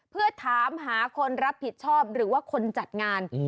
เพื่อถามหาคนรับผิดชอบหรือว่าคนจัดงาน